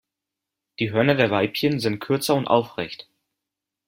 Die Hörner der Weibchen sind kürzer und aufrecht.